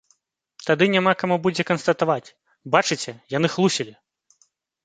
Тады няма каму будзе канстатаваць, бачыце, яны хлусілі!